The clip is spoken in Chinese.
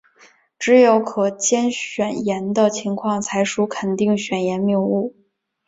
只有可兼选言的情况才属肯定选言谬误。